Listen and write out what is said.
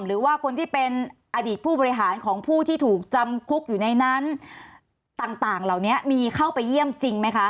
หรือว่าคนที่เป็นอดีตผู้บริหารของผู้ที่ถูกจำคุกอยู่ในนั้นต่างเหล่านี้มีเข้าไปเยี่ยมจริงไหมคะ